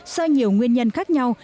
do nhiều nguyên nhân khác nhau